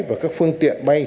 và các phương tiện bay